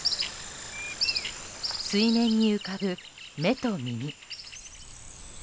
水面に浮かぶ目と耳。